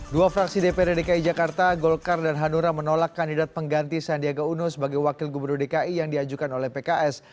dua fraksi dprd dki jakarta golkar dan hanura menolak kandidat pengganti sandiaga uno sebagai wakil gubernur dki yang diajukan oleh pks